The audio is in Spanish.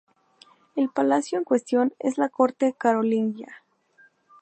El palacio en cuestión es la corte carolingia.